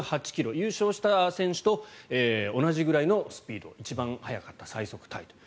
優勝した選手と同じくらいのスピード一番速かった、最速タイと。